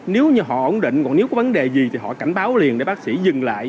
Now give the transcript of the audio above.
nếu như họ ổn định còn nếu có vấn đề gì thì họ cảnh báo liền để bác sĩ dừng lại